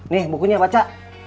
nih bukunya baca